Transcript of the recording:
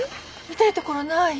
痛いところない？